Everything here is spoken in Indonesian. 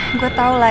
gue tau lah